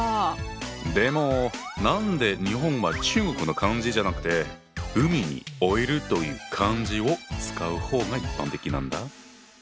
でも何で日本は中国の漢字じゃなくて海に老いるという漢字を使う方が一般的なんだ？